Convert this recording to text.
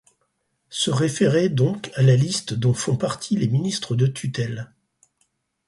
Se référer donc à la liste dont font partie les ministres de tutelle.